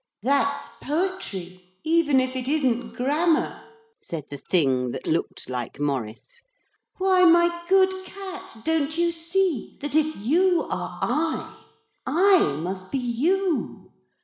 'That's poetry, even if it isn't grammar,' said the thing that looked like Maurice. 'Why, my good cat, don't you see that if you are I, I must be you?